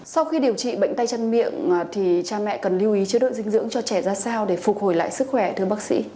sau khi điều trị bệnh tay chân miệng thì cha mẹ cần lưu ý chế độ dinh dưỡng cho trẻ ra sao để phục hồi lại sức khỏe thưa bác sĩ